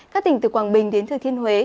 các tỉnh từ quảng bình đến thừa thiên huế